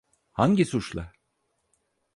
Hangi suçla?